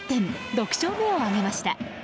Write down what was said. ６勝目を挙げました。